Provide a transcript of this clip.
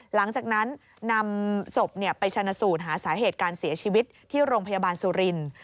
หลังจากนั้นนำศพไปชนะสูตรหาสาเหตุการเสียชีวิตที่โรงพยาบาลสุรินทร์